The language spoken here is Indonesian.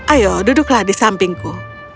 ayo duduklah di sampingku